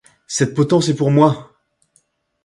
Cette potence est pour moi !